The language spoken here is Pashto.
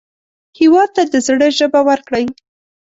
هېواد ته د زړه ژبه ورکړئ